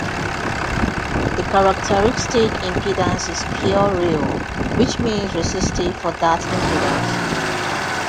The characteristic impedance is pure real, which means resistive for that impedance.